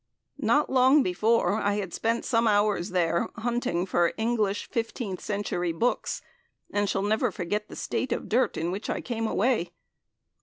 Not long before I had spent some hours there hunting for English Fifteenth century Books, and shall never forget the state of dirt in which I came away.